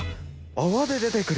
泡で出てくる。